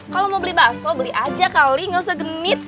kalau mau beli bakso beli aja kali gak usah genit